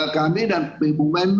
kami dan bumen